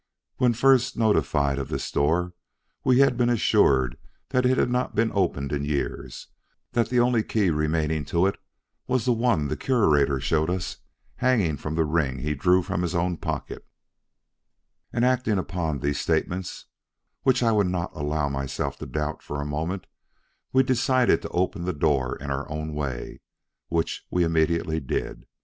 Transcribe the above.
When first notified of this door, we had been assured that it had not been opened in years, that the only key remaining to it was the one the Curator showed us hanging from the ring he drew from his own pocket; and acting upon these statements, which I would not allow myself to doubt for a moment, we decided to open the door in our own way, which we immediately did.